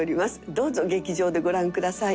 どうぞ劇場でご覧ください。